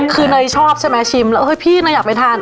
คือหน่อยชอบใช่ไหมชิมพี่หน่อยอยากไปทาน